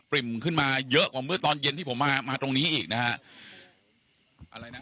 ริ่มขึ้นมาเยอะกว่าเมื่อตอนเย็นที่ผมมามาตรงนี้อีกนะฮะอะไรนะ